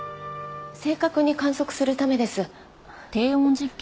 正確に観測するためです。